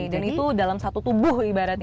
dan itu dalam satu tubuh ibaratnya